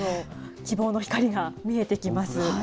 希望の光が見えてきます。